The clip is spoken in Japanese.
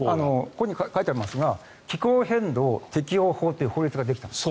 ここに書いてありますが気候変動適応法という法律ができたんです。